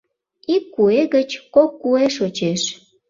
Ик куэ гыч кок куэ шочеш